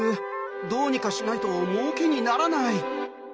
どうにかしないともうけにならない。